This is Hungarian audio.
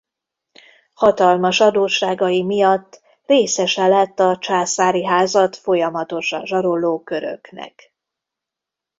Hatalmas adósságai miatt részese lett a császári házat folyamatosan zsaroló köröknek.